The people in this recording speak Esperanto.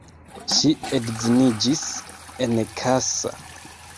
Ŝi edziniĝis en Kassa.